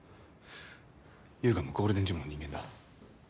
悠河もゴールデンジムの人間だ。